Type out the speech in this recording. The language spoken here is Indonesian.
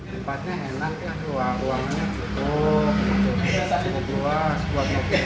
tempatnya enak ya ruangannya cukup